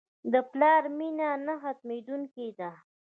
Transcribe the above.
د پلار مینه نه ختمېدونکې ده.